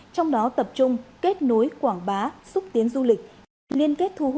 trong đó tập trung kết nối quảng bá xúc tiến du lịch